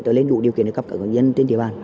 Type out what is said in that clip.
để lên đủ điều kiện để cấp căn cứ công dân trên địa bàn